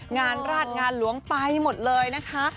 งานราชงานหลวงไปหมดเลยนะคะ